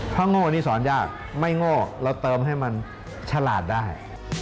โง่นี่สอนยากไม่โง่เราเติมให้มันฉลาดได้